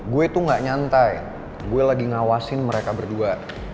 gue itu gak nyantai gue lagi ngawasin mereka berdua